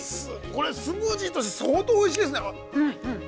これ、スムージーとして相当おいしいですね。